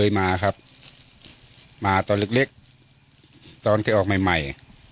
เคยมาครับมาตอนเล็กตอนเคยออกใหม่